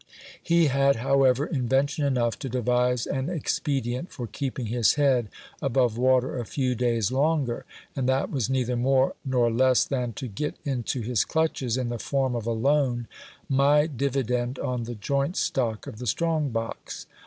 He had, however, invention enough to devise an expedient for keeping his head above water a few days longer, and that was neither more nor less than to get into his clutches, in the form of a loan, my dividend on the joint stock of the strong box.